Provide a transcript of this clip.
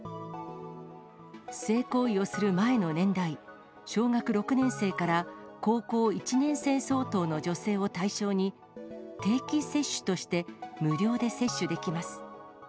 性行為をする前の年代、小学６年生から高校１年生相当の女性を対象に、定期接種として無料で接種できます。